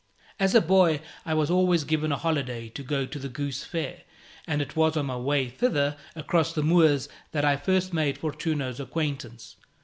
As a boy, I was always given a holiday to go to the goose fair; and it was on my way thither across the moors, that I first made Fortunio's acquaintance.